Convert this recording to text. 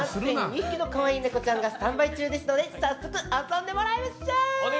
人気の可愛いネコちゃんがスタンバイ中ですので早速、遊んでもらいましょう。